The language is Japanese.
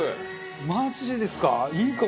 マジでですか？